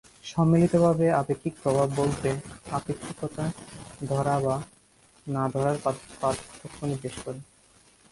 সম্মিলিতভাবে আপেক্ষিক প্রভাব বলতে আপেক্ষিকতা ধরা বা না ধরার পার্থক্য নির্দেশ করে।